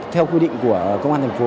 theo quy định của công an thành phố